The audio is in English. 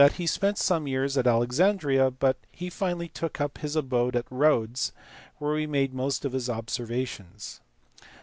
87 he spent some years at Alexandria, but finally he took up his abode at Rhodes where he made most of his observations.